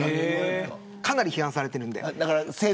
かなり批判されているんで。